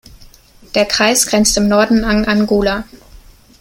Der Kreis grenzt im Norden an Angola.